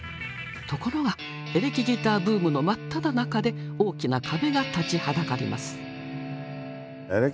ところがエレキギターブームの真っただ中で大きな壁が立ちはだかります。